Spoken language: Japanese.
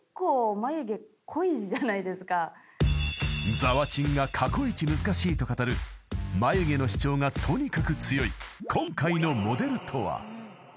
［ざわちんが過去イチ難しいと語る眉毛の主張がとにかく強い今回のモデルとは？］